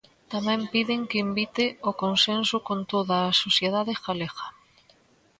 Tamén piden que invite ao consenso con toda a sociedade galega.